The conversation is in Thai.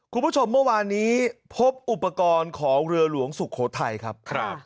คุณผู้ชมเมื่อวานนี้พบอุปกรณ์ของเรือหลวงสุโขทัยครับ